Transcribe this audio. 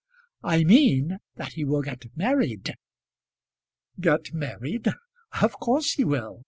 "I mean that he will get married." "Get married! of course he will.